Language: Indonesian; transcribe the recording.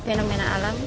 termasuk fenomena alam